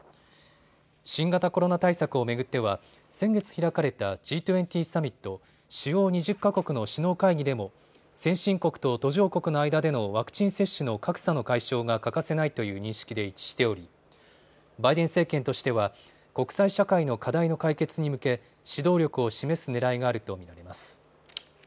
新型コロナ対策を巡っては先月開かれた地域年金サミット・主要２０か国の首脳会議でも先進国と途上国の間でのワクチン接種の格差の解消が欠かせないという認識で一致しておりバイデン政権としては国際社会の課題の解決に向け指導力を示すねらいがあると見られます。